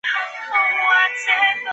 他们为什么去你国家？